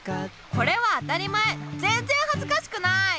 これは当たり前ぜんぜんはずかしくない！